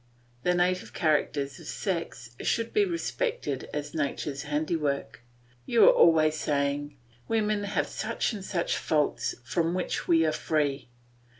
The native characters of sex should be respected as nature's handiwork. You are always saying, "Women have such and such faults, from which we are free."